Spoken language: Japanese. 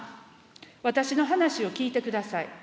私の話を聞いてください。